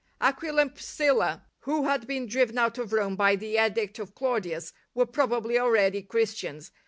Aquila and Pidscilla, who had been driven out of Rome by the edict of Claudius, were probably already Christians.